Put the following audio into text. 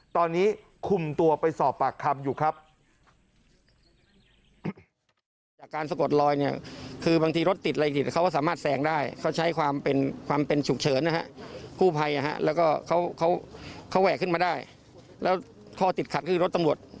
ตอนนี้คุมตัวไปสอบปากคำอยู่ครับ